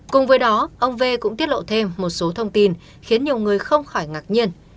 cùng với đó ông v cũng tiết lộ thêm một số thông tin khiến nhiều người không khỏi ngạc nhiên